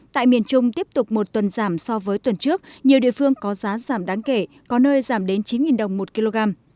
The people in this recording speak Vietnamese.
tại miền trung tiếp tục một tuần giảm so với tuần trước nhiều địa phương có giá giảm đáng kể có nơi giảm đến chín đồng một kg